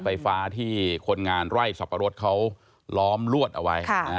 ไฟฟ้าที่คนงานไร่สับปะรดเขาล้อมลวดเอาไว้